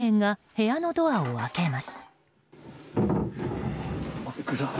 Ｇメンが部屋のドアを開けます。